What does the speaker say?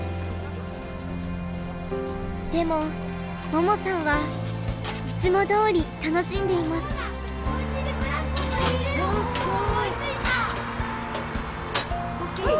でも桃さんはいつもどおり楽しんでいます。ＯＫ！